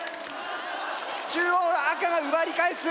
中央赤が奪い返す！